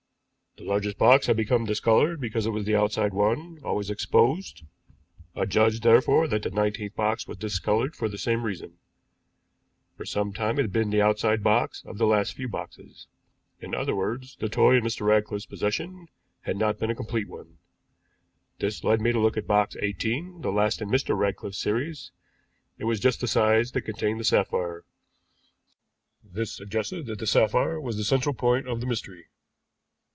"The largest box had become discolored because it was the outside one, always exposed; I judged therefore that the nineteenth box was discolored for the same reason. For some time it had been the outside box of the last few boxes. In other words, the toy in Mr. Ratcliffe's possession had not been a complete one. This led me to look at box eighteen, the last in Mr. Ratcliffe's series; it was just the size to contain the sapphire. This suggested that the sapphire was the central point of the mystery."